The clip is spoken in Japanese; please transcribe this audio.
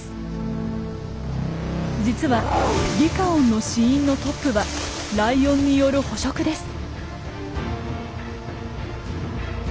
実はリカオンの死因のトップはライオンによる捕食です。